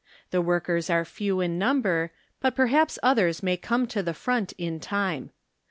The work ers are few in number, but perhaps others may come to the front in time.